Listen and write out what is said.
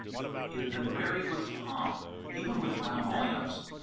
He had been buried with pomp, even with flamboyance.